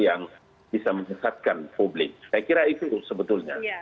yang bisa menyesatkan publik saya kira itu sebetulnya